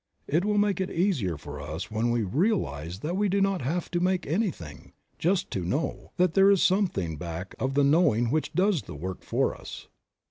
It will make it much easier for us when we realize that we do not have to make anything, just to know ; that there is something back of the knowing which does the work for us.